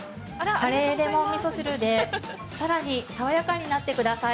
カレーレモンみそ汁でさらに爽やかになってください。